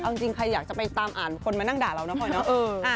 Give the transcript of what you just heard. เอาจริงใครอยากจะไปตามอ่านคนมานั่งด่าเราเนาะพลอยเนาะ